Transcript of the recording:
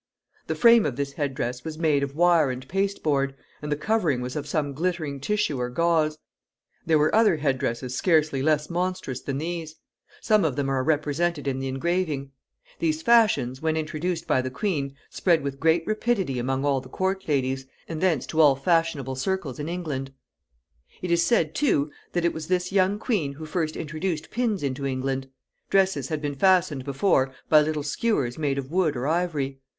The frame of this head dress was made of wire and pasteboard, and the covering was of some glittering tissue or gauze. There were other head dresses scarcely less monstrous than these. Some of them are represented in the engraving. These fashions, when introduced by the queen, spread with great rapidity among all the court ladies, and thence to all fashionable circles in England. It is said, too, that it was this young queen who first introduced pins into England. Dresses had been fastened before by little skewers made of wood or ivory.